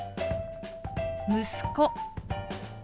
「息子」。